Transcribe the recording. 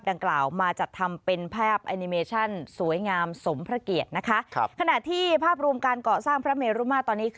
ดังกล่าวมาจัดทำเป็นภาพอันีเมชันสวยงามสมพระเกียรติ